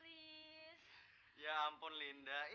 iya masih sih